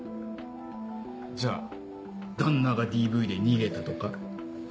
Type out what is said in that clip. じゃあ旦那がＤＶで逃げたとか？